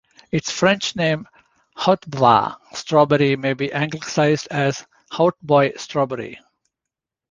Its French name "hautbois" strawberry may be anglicised as hautboy strawberry.